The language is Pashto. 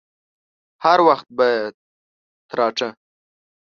هر وخت به يې تراټه.